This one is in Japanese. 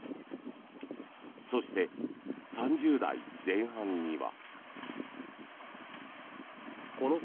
そして、３０代前半には。